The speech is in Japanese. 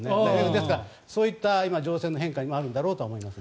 ですから、そういった情勢の変化にあるんだろうと思います。